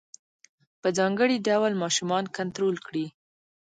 په ځانګړي ډول ماشومان کنترول کړي.